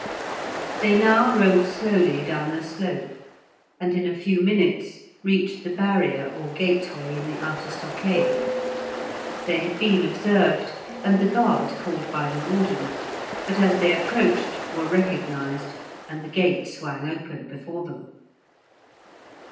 They now rode slowly down the slope, and in a few minutes reached the barrier or gateway in the outer stockade. They had been observed, and the guard called by the warden, but as they approached were recognised, and the gate swang open before them.